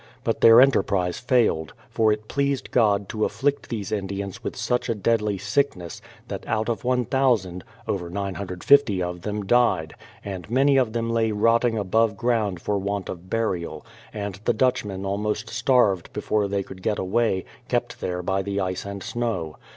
But their enterprise failed, for it pleased God to afflict these Indians with such a deadly sickness, that out of 1,000, over 950 of them died, and many of them lay rotting above ground for want of burial, and the Dutch men almost starved before they could get away, kept there by the ice and snow.